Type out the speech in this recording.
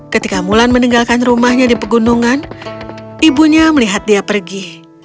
ketika mulan meninggalkan rumahnya di pegunungan ibunya melihat dia pergi